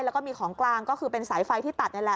แล้วก็มีของกลางก็คือเป็นสายไฟที่ตัดนี่แหละ